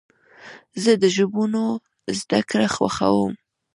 زه د ژبونو زدهکړه خوښوم.